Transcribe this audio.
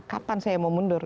kapan saya mau mundur